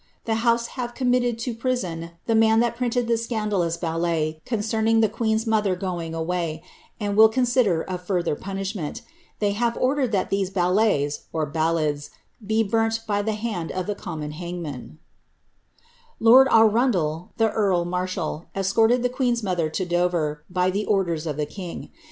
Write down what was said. The house have committed to prison the rinted the scandalous ballet concerning the queen^s mother r, and will consider of further punishment ; tliey have ordered ballets (ballads) be burnt by the hand of the common hang undel, the earl marshal, escorted the queen's mother to Dover, ers of the king.